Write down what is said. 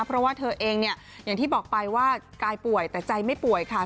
เพราะว่าเธอเองเนี่ยอย่างที่บอกไปว่ากายป่วยแต่ใจไม่ป่วยค่ะ